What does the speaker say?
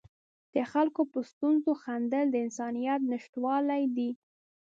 د خلکو په ستونزو خندل د انسانیت نشتوالی دی.